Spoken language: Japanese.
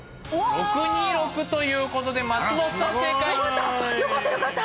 「６２６」ということで松本さん正解よかった！